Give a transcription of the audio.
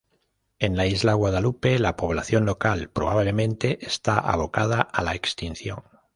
En la isla Guadalupe, la población local probablemente está abocada a la extinción.